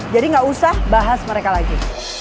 jadi gak usah bahas mereka lagi